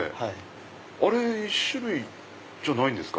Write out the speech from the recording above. あれ１種類じゃないんですか？